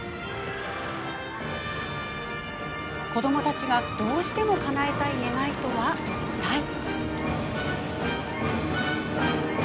子どもたちが、どうしてもかなえたい願いとはいったい？